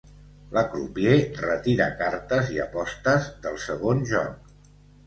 La crupier retira cartes i apostes del segon joc.